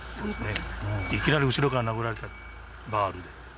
いきなり後ろから殴られたって、バールで。